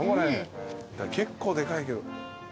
結構でかいけど。